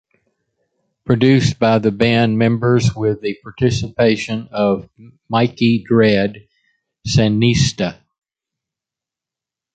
Produced by the band members with the participation of Mikey Dread, Sandinista!